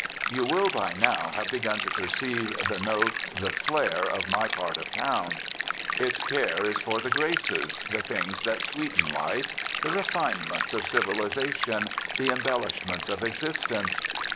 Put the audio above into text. You will by now have begun to perceive the note, the flair, of my part of town. Its care is for the graces, the things that sweeten life, the refinements of civilisation, the embellishments of existence.